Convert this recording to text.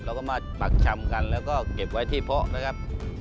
เราก็มาปักชำกันแล้วก็เก็บไว้ที่เพาะนะครับ